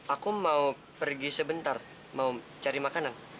aku mau pergi sebentar mau cari makanan